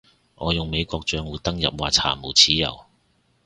我用美國帳戶登入話查無此電郵